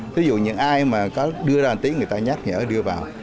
ví dụ những ai mà có đưa ra một tí người ta nhắc nhở đưa vào